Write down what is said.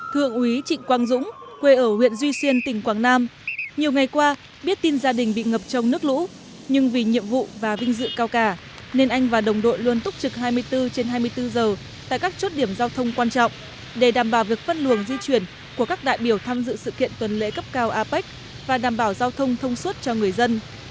thượng quý trịnh quang dũng quê ở huyện duy xuyên tỉnh quảng nam nhiều ngày qua biết tin gia đình bị ngập trong nước lũ nhưng vì nhiệm vụ và vinh dự cao cả nên anh và đồng đội luôn túc trực hai mươi bốn trên hai mươi bốn giờ tại các chốt điểm giao thông quan trọng để đảm bảo việc phân luồng di chuyển của các đại biểu tham dự sự kiện tuần lễ cấp cao apec và đảm bảo giao thông thông suốt cho người dân